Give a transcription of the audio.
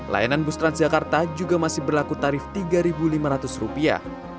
layanan bus transjakarta juga masih berlaku tarif tiga lima ratus rupiah